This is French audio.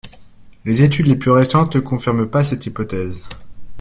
Les études les plus récentes ne confirment pas cette hypothèse.